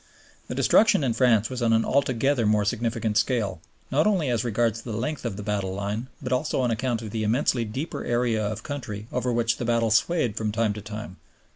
The destruction in France was on an altogether more significant scale, not only as regards the length of the battle line, but also on account of the immensely deeper area of country over which the battle swayed from time to time.